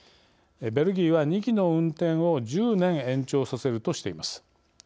ベルギーは２基の運転を１０年延長させるとしています。